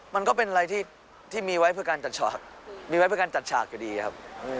มันก็เป็นอะไรที่มีไว้เพื่อการจัดฉากอยู่ดีครับ